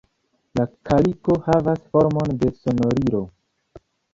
La kaliko havas formon de sonorilo.